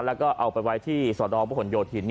แล้วก็เอาไปไว้ที่สวรรค์บุหรโยธีน